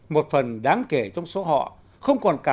một phần đáng kể trong số họ